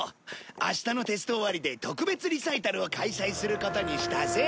明日のテスト終わりで特別リサイタルを開催することにしたぜ。